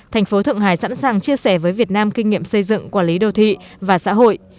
thành phố thượng hải sẵn sàng chia sẻ với việt nam kinh nghiệm xây dựng quản lý đô thị và xã hội